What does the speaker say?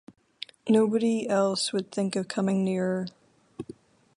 Nobody else would think of coming near her.